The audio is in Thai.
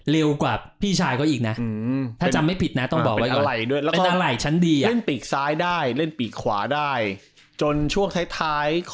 เร็วกว่าพี่ชายเขาอีกนะ